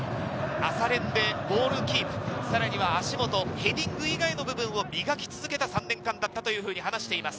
朝練でボールキープ、さらには足元、ヘディング以外の部分を磨き続けた３年間だったというふうに話しています。